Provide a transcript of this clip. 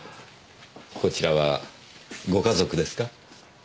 こちらはご家族ですか？